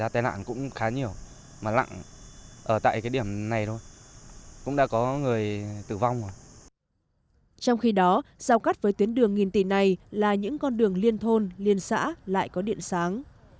trong khi đó giao cắt với tuyến đường nghìn tỷ này là những con đường liên thôn liên xã lại có điện sáng